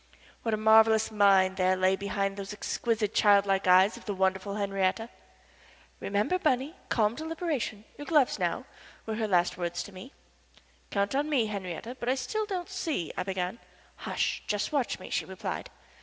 What a marvellous mind there lay behind those exquisite, childlike eyes of the wonderful Henriette! "Remember, Bunny calm deliberation your gloves now," were her last words to me. "Count on me, Henriette; but I still don't see " I began. "Hush! Just watch me," she replied.